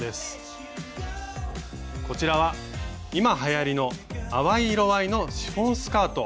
こちらは今はやりの淡い色合いのシフォンスカート。